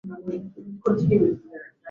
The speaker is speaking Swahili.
alikuwa Sultani wa Maskat Oman na Zanzibar